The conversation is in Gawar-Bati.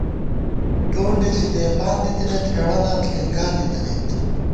ڈونڈے ݪی دیبان دِتَنَئیت ہېڑہ نام ݪېنگان دِتَنَئیت